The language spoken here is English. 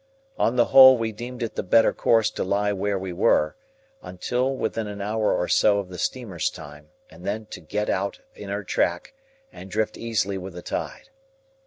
On the whole we deemed it the better course to lie where we were, until within an hour or so of the steamer's time, and then to get out in her track, and drift easily with the tide.